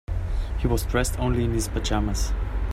He was dressed only in his pajamas.